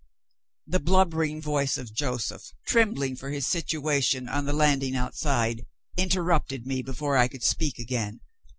The blubbering voice of Joseph, trembling for his situation, on the landing outside, interrupted me before I could speak again.